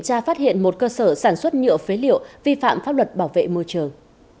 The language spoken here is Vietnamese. tra phát hiện một cơ sở sản xuất nhựa phế liệu vi phạm pháp luật bảo vệ môi trường